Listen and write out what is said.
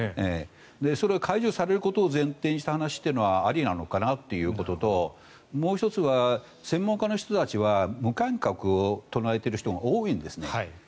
それは解除されることを前提にした話というのはありなのかなということともう１つは専門家の人たちは無観客を唱えている人が多いんですね。